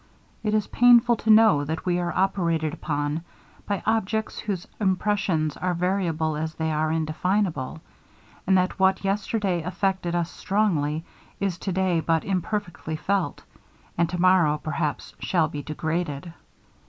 It is painful to know, that we are operated upon by objects whose impressions are variable as they are indefinable and that what yesterday affected us strongly, is to day but imperfectly felt, and to morrow perhaps shall be disregarded.